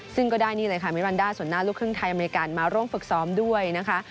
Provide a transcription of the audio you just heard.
ซึ่งก็ได้นี่เลยค่ะมิรันดาส่วนหน้าลูกครึ่งไทยอเมริกันมาร่วมฝึกซ้อมด้วยนะคะ